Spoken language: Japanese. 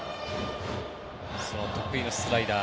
得意のスライダー。